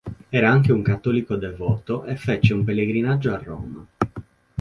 Era anche un cattolico devoto e fece un pellegrinaggio a Roma.